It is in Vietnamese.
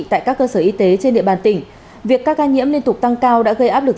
tại các cơ sở y tế trên địa bàn tỉnh việc các ca nhiễm liên tục tăng cao đã gây áp lực